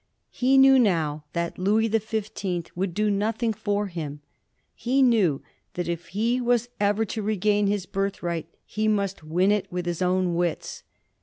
He knew now that Louis the Fifteenth would do nothing for him ; he knew that if he was ever to regain his birth right he must win it with his own wits.